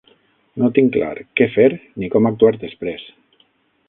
No tinc clar què fer ni com actuar després.